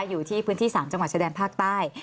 อยู่ที่พื้นที่๓จังหวัดชายแดนภาคใต้